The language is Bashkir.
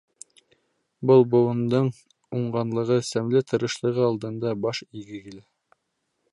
Был быуындың уңғанлығы, сәмле тырышлығы алдында баш эйге килә.